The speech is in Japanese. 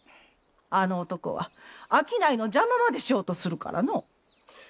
あの男は商いの邪魔までしようとするからのう。